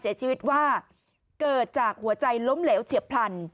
เสียชีวิตว่าเกิดจากหัวใจล้มเหลวเฉียบพลัน